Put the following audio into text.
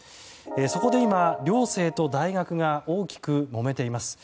そこで今、寮生と大学が大きくもめています。